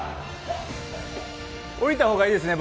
降りた方がいいですね。